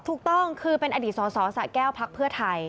ถูกต้องคือเป็นอดีตสอสอสะแก้วพักเพื่อไทย